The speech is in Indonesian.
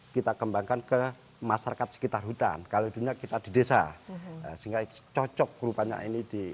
kita kembangkan ke masyarakat sekitar hutan kalau dunia kita di desa sehingga cocok rupanya ini di